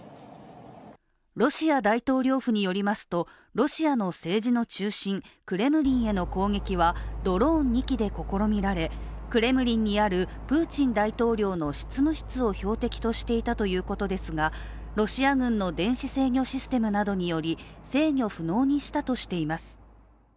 ロシア大統領府によりますとロシアの政治の中心、クレムリンへの攻撃はドローン２機で試みられクレムリンにあるプーチン大統領の執務室を標的としていたということですがロシア軍の電子制御システムなどにより制御不能にしたとしています。